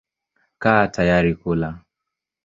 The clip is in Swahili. Kaa tayari kula.